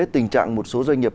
tình trạng một số doanh nghiệp